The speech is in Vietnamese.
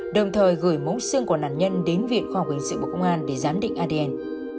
đồng thời gửi mẫu xương của nạn nhân đến viện khoa học hình sự bộ công an để giám định adn